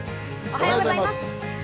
おはようございます。